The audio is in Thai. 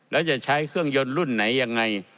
แล้วจะใช้เครื่องยนต์รุ่นไหนยังไง